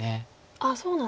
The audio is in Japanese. そうなんですか。